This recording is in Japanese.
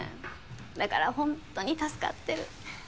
だからほんとに助かってる。